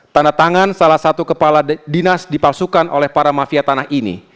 tanda tangan salah satu kepala dinas dipalsukan oleh para mafia tanah ini